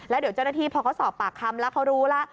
แล้วเดี๋ยวเจ้าหน้าที่พอเขาสอบปากคำแล้วเขารู้แล้ว